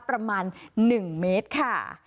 ประมาณหนึ่งเมตรค่ะ